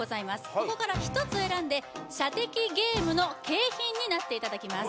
ここから１つ選んで射的ゲームの景品になっていただきます